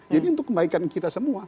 jadi untuk kebaikan kita semua